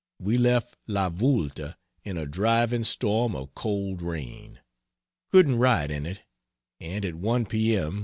We left La Voulte in a driving storm of cold rain couldn't write in it and at 1 p. m.